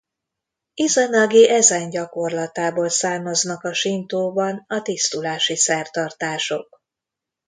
Izanagi ezen gyakorlatából származnak a sintóban a tisztulási szertartások.